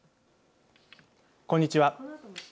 こんにちは。